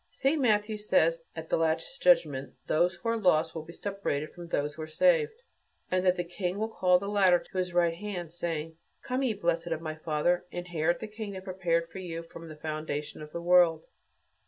St. Matthew says that at the Last Judgment those who are lost will be separated from those who are saved, and that the King will call the latter to his right hand, saying, "Come, ye blessed of my Father, inherit the kingdom prepared for you from the foundation of the world.